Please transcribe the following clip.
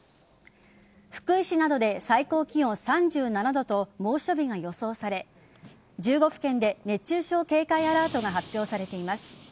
福井市などで最高気温３７度と猛暑日が予想され１５府県で熱中症警戒アラートが発表されています。